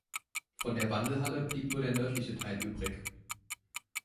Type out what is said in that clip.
Von der Wandelhalle blieb nur der nördliche Teil übrig.